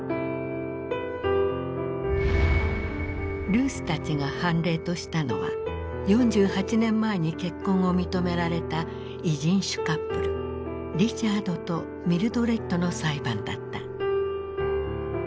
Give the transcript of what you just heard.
ルースたちが判例としたのは４８年前に結婚を認められた異人種カップルリチャードとミルドレッドの裁判だった。